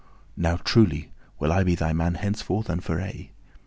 Now truly will I be thy man henceforth and for aye.